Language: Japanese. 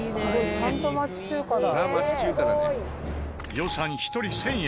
予算１人１０００円。